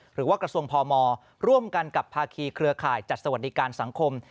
หรือว่ากระทรวงพมร่วมกันกับภาคีเครือข่ายจัดสวัสดิการสังคม